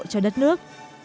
cho đất nước